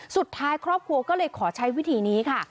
สุดท้ายครอบครัวก็เลยขอใช้วิธีนี้ค่ะ